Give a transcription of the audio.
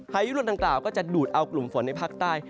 พายุลูกต่างก็จะดูดเอากลุ่มฝนในภาคใต้